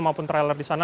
maupun trailer di sana